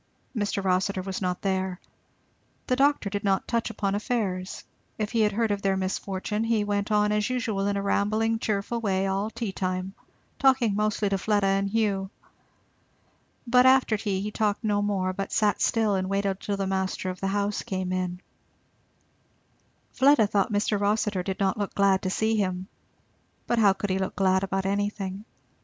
Mr. Rossitur was not there. The doctor did not touch upon affairs, if he had heard of their misfortune; he went on as usual in a rambling cheerful way all tea time, talking mostly to Fleda and Hugh. But after tea he talked no more but sat still and waited till the master of the house came in. Fleda thought Mr. Rossitur did not look glad to see him. But how could he look glad about anything?